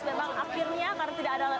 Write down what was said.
memang akhirnya karena tidak ada lagi